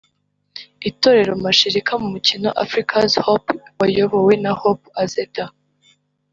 Itorero Mashirika mu mukino ‘Africa’s Hope’ wayobowe na Hope Azeda